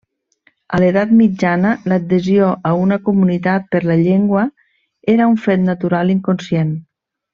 A l'Edat Mitjana, l'adhesió a una comunitat per la llengua era un fet natural, inconscient.